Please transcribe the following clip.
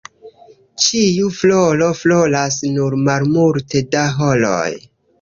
Ĉiu floro floras nur malmulte da horoj.